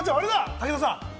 武田さん。